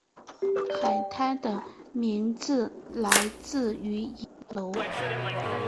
海滩的名字来自于一座塔楼。